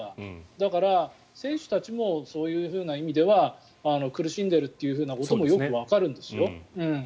だから、選手たちもそういう意味では苦しんでいるということもよくわかるんですよ。